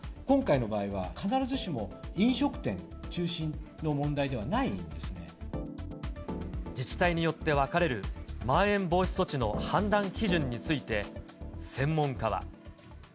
今回の場合は、必ずしも飲食店中自治体によって分かれるまん延防止措置の判断基準について、専門家は。